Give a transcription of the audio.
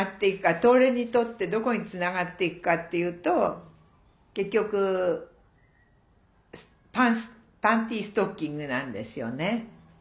東レにとってどこにつながっていくかっていうと結局パンティストッキングなんですよね。